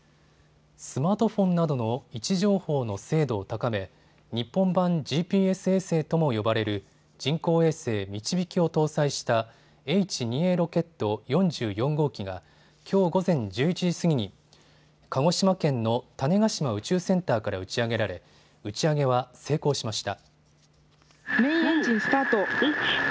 スマートフォンなどの位置情報の精度を高め日本版ＧＰＳ衛星とも呼ばれる人工衛星みちびきを搭載したＨ２Ａロケット４４号機がきょう午前１１時過ぎに鹿児島県の種子島宇宙センターから打ち上げられ打ち上げは成功しました。